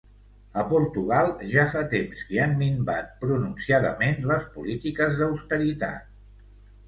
A Portugal ja fa temps que han minvat pronunciadament les polítiques d’austeritat.